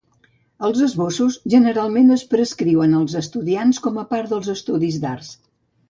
Els esbossos generalment es prescriuen als estudiants com a part dels estudis d'arts.